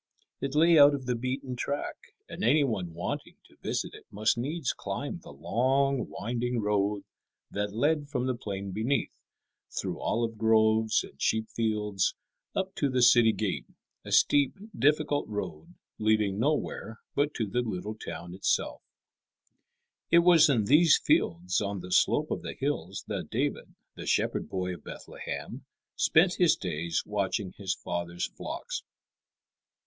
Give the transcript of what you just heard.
It lay out of the beaten track, and any one wanting to visit it must needs climb the long winding road that led from the plain beneath, through olive groves and sheepfields, up to the city gate a steep, difficult road, leading nowhere but to the little town itself. It was in these fields on the slope of the hills that David, the shepherd boy of Bethlehem, spent his days watching his father's flocks.